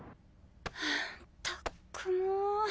はぁったくもう。